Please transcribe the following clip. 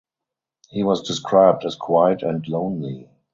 He was described as quiet and lonely.